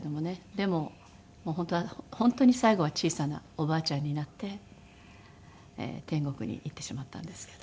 でも本当は本当に最後は小さなおばあちゃんになって天国に行ってしまったんですけど。